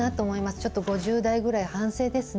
ちょっと５０代ぐらい反省ですね。